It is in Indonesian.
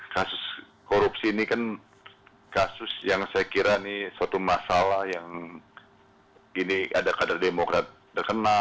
kasus korupsi ini kan kasus yang saya kira ini suatu masalah yang ini ada kader demokrat terkena